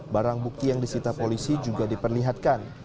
barang bukti yang disita polisi juga diperlihatkan